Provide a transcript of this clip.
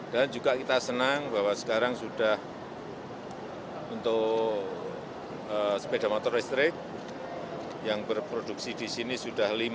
dan juga kita senang bahwa sekarang sudah untuk sepeda motor listrik yang berproduksi di sini sudah lima puluh sembilan